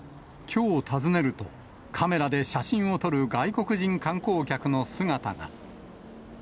きょう訪ねると、カメラで写真を撮る外国人観光客の姿が。